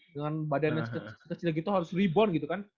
dengan badannya kecil kecil gitu harus ribon gitu kan